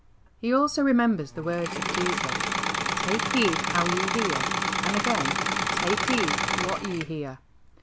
He also remembers the words of Jesus, "Take heed how ye hear," and again, " Take \\t^di What ye hear."